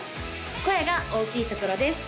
声が大きいところです